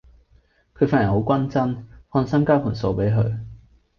佢份人好均真，放心交盤數比佢